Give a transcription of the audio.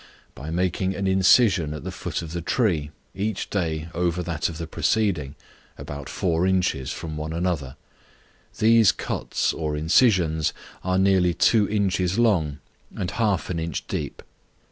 _: by making an incision at the foot of the tree, each day over that of the preceding, about four inches from one another: these cuts, or incisions, are nearly two inches long, and half an inch deep.